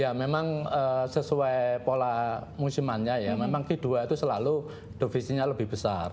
ya memang sesuai pola musimannya ya memang k dua itu selalu defisinya lebih besar